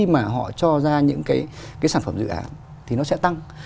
mà họ cho ra những cái sản phẩm dự án thì nó sẽ tăng